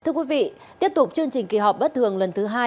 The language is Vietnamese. thưa quý vị tiếp tục chương trình kỳ họp bất thường lần thứ hai